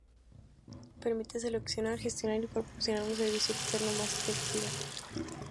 Permite seleccionar, gestionar y proporcionar un servicio externo más efectivo.